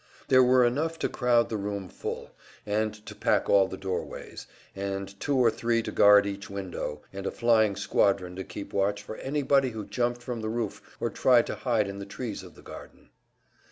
There were enough to crowd the room full, and to pack all the doorways, and two or three to guard each window, and a flying squadron to keep watch for anybody who jumped from the roof or tried to hide in the trees of the garden.